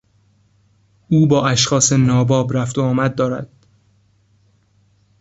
او با اشخاص ناباب رفت و آمد دارد.